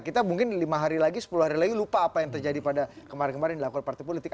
kita mungkin lima hari lagi sepuluh hari lagi lupa apa yang terjadi pada kemarin kemarin dilakukan partai politik